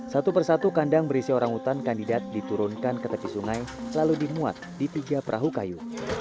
satu persatu kandang berisi orang hutan kandidat diturunkan ke tepi sungai lalu dimuat di tiga perahu kayu